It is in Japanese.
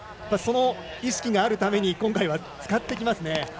その意識があるために今回は使ってきますね。